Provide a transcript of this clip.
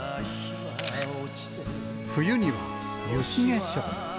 冬には雪化粧。